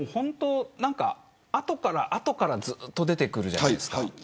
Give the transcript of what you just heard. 後から後からずっと出てくるじゃないですか。